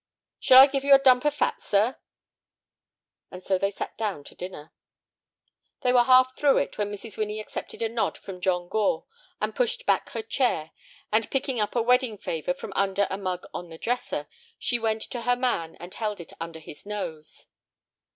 "Shall I give you a dump o' fat, sir?" And so they sat down to dinner. They were half through with it when Mrs. Winnie accepted a nod from John Gore and pushed back her chair, and picking up a wedding favor from under a mug on the dresser, she went to her man and held it under his nose.